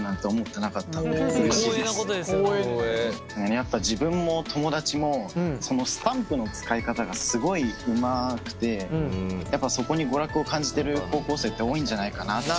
やっぱ自分も友達もスタンプの使い方がすごいうまくてやっぱそこに娯楽を感じてる高校生って多いんじゃないかなって。